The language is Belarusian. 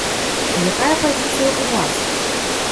А якая пазіцыя ў вас?